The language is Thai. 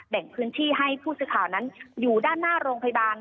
แบ่งพื้นที่ให้ผู้สื่อข่าวนั้นอยู่ด้านหน้าโรงพยาบาล